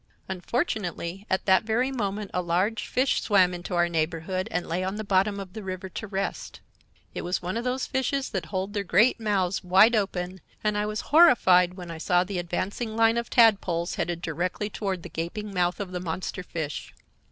Unfortunately at that very moment a large fish swam into our neighborhood and lay on the bottom of the river to rest. It was one of those fishes that hold their great mouths wide open, and I was horrified when I saw the advancing line of tadpoles headed directly toward the gaping mouth of the monster fish.